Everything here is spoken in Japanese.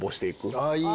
ああいい。